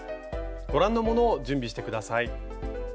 ご覧のものを準備して下さい。